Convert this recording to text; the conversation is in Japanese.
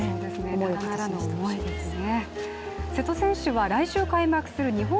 ただならぬ思いですね。